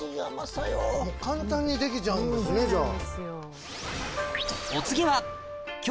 簡単にできちゃうんですねじゃあ。